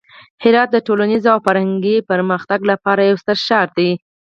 هرات د ټولنیز او فرهنګي پرمختګ لپاره یو ستر ښار دی.